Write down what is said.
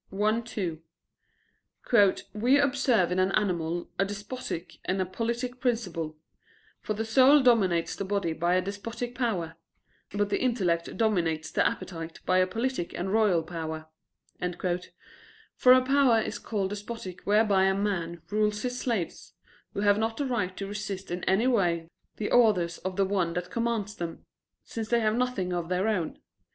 i, 2): "We observe in an animal a despotic and a politic principle: for the soul dominates the body by a despotic power; but the intellect dominates the appetite by a politic and royal power." For a power is called despotic whereby a man rules his slaves, who have not the right to resist in any way the orders of the one that commands them, since they have nothing of their own.